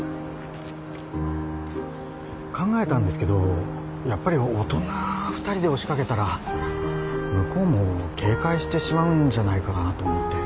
考えたんですけどやっぱり大人２人で押しかけたら向こうも警戒してしまうんじゃないかなと思って。